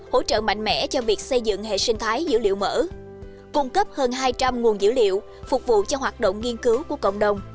hỗ trợ mạnh mẽ cho việc xây dựng hệ sinh thái dữ liệu mở cung cấp hơn hai trăm linh nguồn dữ liệu phục vụ cho hoạt động nghiên cứu của cộng đồng